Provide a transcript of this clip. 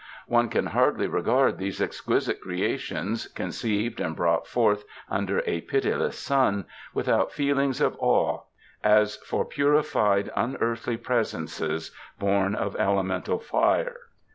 One can hardly regard these exquisite creations, conceived and brought forth under a pitiless sun, without feelings of awe, as for purified unearthly presences born of elemental fire.